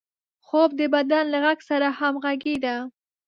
خوب د بدن له غږ سره همغږي ده